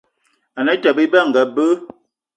Ane Atёbё Ebe anga be